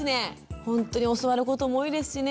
ほんとに教わることも多いですしね。